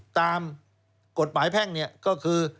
ตามกฎหมายแพ่งเนี่ยก็คือ